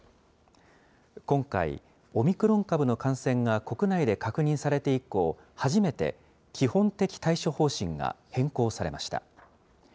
今回、オミクロン株の感染が国内で確認されて以降、初めて、基本的対処方針が変更されました。